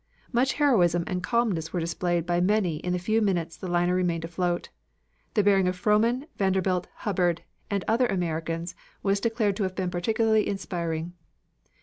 Much heroism and calmness were displayed by many in the few minutes the liner remained afloat. The bearing of Frohman, Vanderbilt, Hubbard and other Americans was declared to have been particularly inspiring.